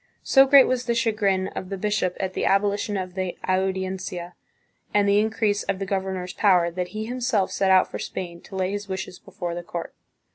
So great was the chagrin of the bishop at the abolition of the Audiencia and the increase of the governor's power, that he himself set out for Spain to lay his wishes before the court.